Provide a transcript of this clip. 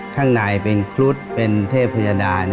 ข้างในเป็นครุฑเป็นเทพยดา